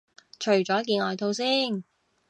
除咗件外套先